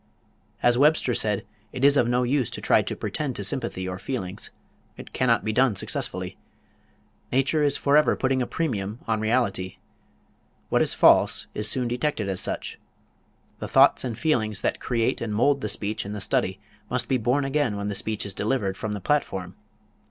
As Webster said, it is of no use to try to pretend to sympathy or feelings. It cannot be done successfully. "Nature is forever putting a premium on reality." What is false is soon detected as such. The thoughts and feelings that create and mould the speech in the study must be born again when the speech is delivered from the platform.